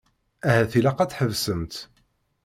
Ahat ilaq ad tḥebsemt.